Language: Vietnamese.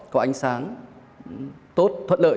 có ánh sáng tốt thuận lợi